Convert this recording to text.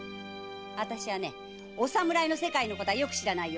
私はお侍の世界のことはよく知らないよ。